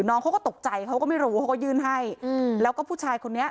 น้องเขาก็ตกใจเขาก็ไม่รู้เขาก็ยื่นให้อืมแล้วก็ผู้ชายคนนี้